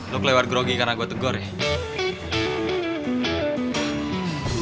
lo kelewat ngerogi karena gue tegor ya